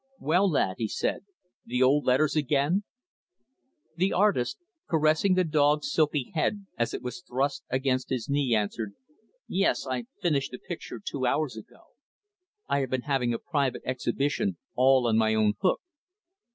"Well, lad," he said, "the old letters again?" The artist, caressing the dog's silky head as it was thrust against his knee, answered, "Yes, I finished the picture two hours ago. I have been having a private exhibition all on my own hook.